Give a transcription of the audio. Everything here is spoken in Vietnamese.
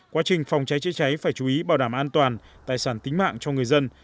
quá trình phòng cháy chữa cháy phải chú ý bảo đảm an toàn tài sản tính mạng cho người dân